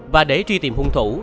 và để truy tìm hung thủ